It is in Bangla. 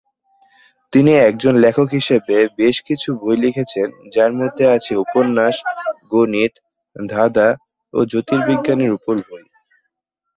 তিনি একজন লেখক হিসেবে বেশ কিছু বই লিখেছেন যার মধ্যে আছে উপন্যাস, গণিত, ধাঁধা ও জ্যোতির্বিজ্ঞানের উপর বই।